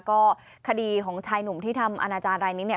ก็คดีของชายหนุ่มที่ทำอาณาจารย์รายนี้เนี่ย